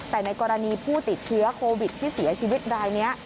แต่ในกรณีผู้ติดเชื้อโควิดที่เสียชีวิตรายนี้